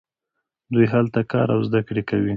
دوی هلته کار او زده کړه کوي.